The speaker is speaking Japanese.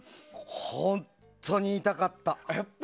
本当に痛かった。